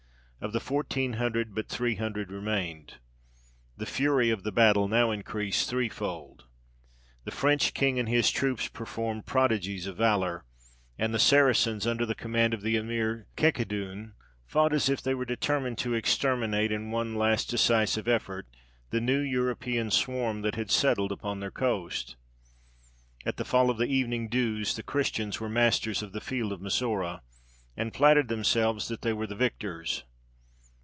Of the fourteen hundred but three hundred remained. The fury of the battle was now increased threefold. The French king and his troops performed prodigies of valour, and the Saracens, under the command of the Emir Ceccidun, fought as if they were determined to exterminate, in one last decisive effort, the new European swarm that had settled upon their coast. At the fall of the evening dews the Christians were masters of the field of Massoura, and flattered themselves that they were the victors.